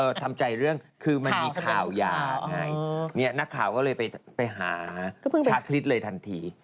เออทำใจเรื่องคือมันมีข่าวยาให้นี่นักข่าวก็เลยไปหาชาติฤทธิ์เลยทันที